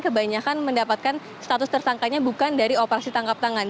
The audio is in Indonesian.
kebanyakan mendapatkan status tersangkanya bukan dari operasi tangkap tangan